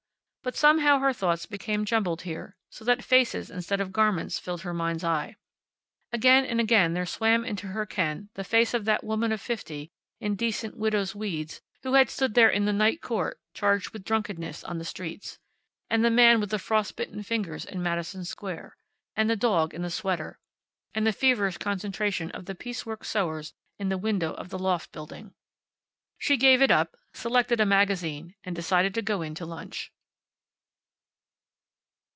But somehow her thoughts became jumbled here, so that faces instead of garments filled her mind's eye. Again and again there swam into her ken the face of that woman of fifty, in decent widow's weeds, who had stood there in the Night Court, charged with drunkenness on the streets. And the man with the frost bitten fingers in Madison Square. And the dog in the sweater. And the feverish concentration of the piece work sewers in the window of the loft building. She gave it up, selected a magazine, and decided to go in to lunch.